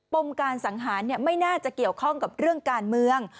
มการสังหารไม่น่าจะเกี่ยวข้องกับเรื่องการเมือง